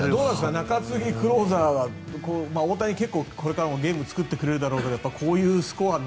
中継ぎ、クローザーは大谷、結構これからもゲームを作ってくれるだろうからこういうスコアに」